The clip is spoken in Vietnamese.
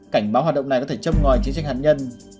cảnh báo hoạt động này có thể châm ngòi chiến tranh hạt nhân